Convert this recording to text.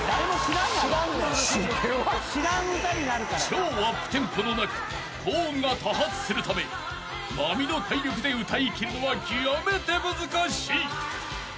［超アップテンポの中高音が多発するため並の体力で歌い切るのは極めて難しい］